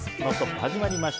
始まりました。